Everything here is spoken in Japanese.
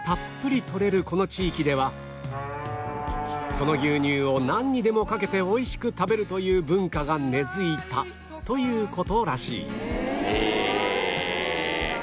その牛乳をなんにでもかけて美味しく食べるという文化が根付いたという事らしいへえ！